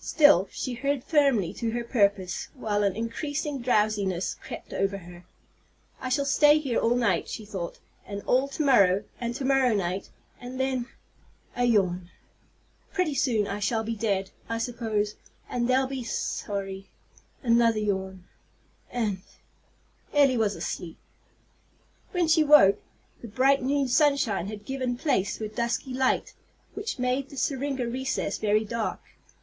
Still, she held firmly to her purpose, while an increasing drowsiness crept over her. "I shall stay here all night," she thought, "and all to morrow, and to morrow night. And then" a yawn "pretty soon I shall be dead, I suppose, and they'll be sorry" another yawn "and " Elly was asleep. When she woke, the bright noon sunshine had given place to a dusky light, which made the syringa recess very dark.